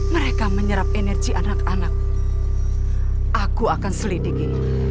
mereka menyerap energi anak anak aku akan selidiki